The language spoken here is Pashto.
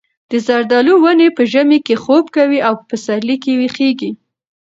د زردالو ونې په ژمي کې خوب کوي او په پسرلي کې ویښېږي.